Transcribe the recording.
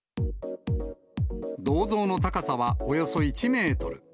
銅像の高さはおよそ１メートル。